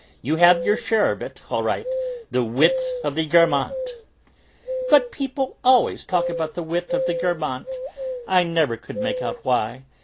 You have your share of it, all right, the 'wit of the Guermantes'!" "But people always talk about the wit of the Guermantes; I never could make out why.